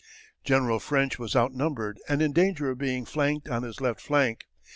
General French was outnumbered and in danger of being flanked on his left flank.